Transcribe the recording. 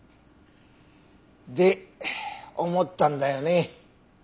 で思ったんだよね。